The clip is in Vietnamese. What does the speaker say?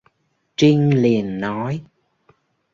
Trinh liền nói